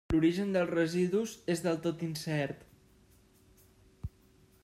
L'origen dels residus és del tot incert.